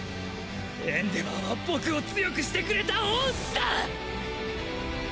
エンデヴァーは僕を強くしてくれた恩師だ！